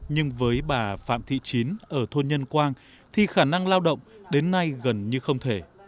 nhưng với bà phạm thị chín ở thôn nhân quang thì khả năng lao động đến nay gần như không thể